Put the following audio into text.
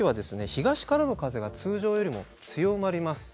東からの風が通常よりも強まります。